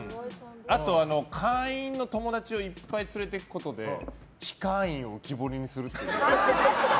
あと、会員の友達をいっぱい連れていくことで非会員を浮き彫りにする。